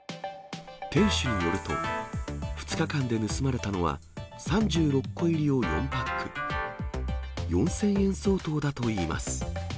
店主によると、２日間で盗まれたのは、３６個入りを４パック、４０００円相当だといいます。